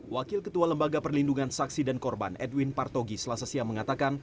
wakil ketua lembaga perlindungan saksi dan korban edwin partogi selasa siang mengatakan